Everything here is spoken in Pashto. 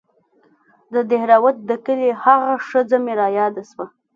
د دهروات د کلي هغه ښځه مې راياده سوه.